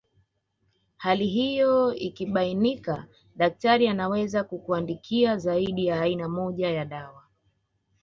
Hali hiyo ikibainika daktari anaweza kukuandikia zaidi ya aina moja ya dawa